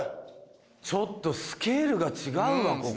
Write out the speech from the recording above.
ちょっとスケールが違うわここ。